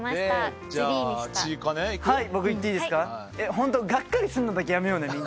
ホントがっかりするのだけやめようねみんな。